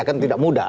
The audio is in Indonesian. kan tidak mudah